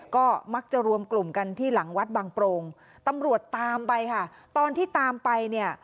ก็มักจะรวมกลุ่มกันที่หลังวัดบางโปรงตำรวจตามไปค่ะตอนที่ตามไปเนี่ย